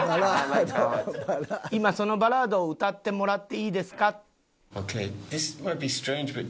「今そのバラードを歌ってもらっていいですか？」。